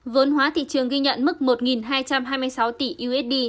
vốn hóa thị trường ghi nhận mức một hai trăm hai mươi sáu tỷ usd